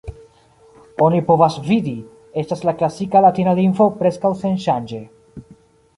Oni povas vidi, estas la klasika latina lingvo preskaŭ senŝanĝe.